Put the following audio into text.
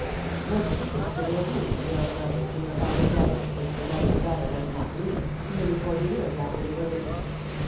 What secrets could there be in a girl's letters to her elder brother which the brother's daughter might not read, nearly forty years after they were written